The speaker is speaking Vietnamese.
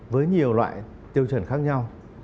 với nhiều loại tiêu chuẩn khác nhau